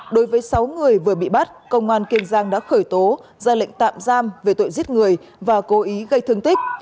đối với sáu người vừa bị bắt công an kiên giang đã khởi tố ra lệnh tạm giam về tội giết người và cố ý gây thương tích